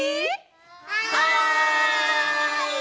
はい！